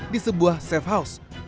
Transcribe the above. di sebuah safe house